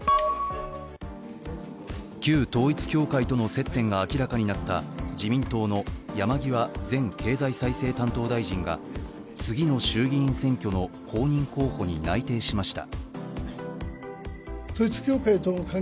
旧統一教会との接点が明らかになった自民党の山際前経済再生担当大臣が次の衆議院選挙の公認候補に内定しました。